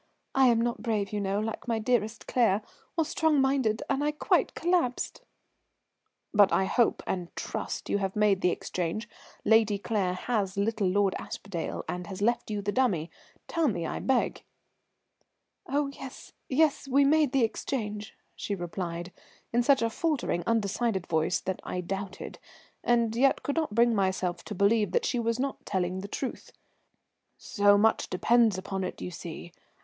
I am not brave, you know, like my dearest Claire, or strong minded, and I quite collapsed." "But I hope and trust you have made the exchange. Lady Claire has little Lord Aspdale and has left you the dummy? Tell me, I beg." "Oh, yes, yes, we made the exchange," she replied, in such a faltering, undecided voice that I doubted, and yet could not bring myself to believe that she was not telling the truth. "So much depends upon it, you see.